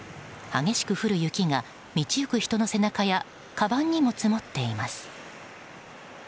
激しく降る雪が道行く人の背中やかばんにも積もっています。